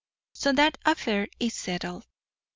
So that affair is settled.